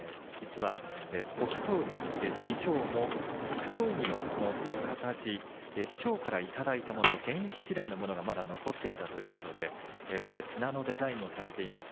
北勝海師匠の北勝海の浴衣地師匠からいただいたもの現役時代のものが残っていたということで綱のデザインがされています。